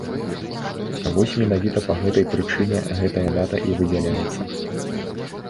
Вось менавіта па гэтай прычыне гэтая дата і выдзяляецца.